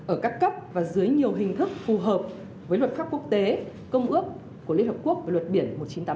ở các cấp và dưới nhiều hình thức phù hợp với luật pháp quốc tế công ước của liên hợp quốc về luật biển một nghìn chín trăm tám mươi hai